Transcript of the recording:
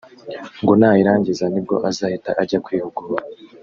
ngo nayirangiza nibwo azahita ajya kwihugura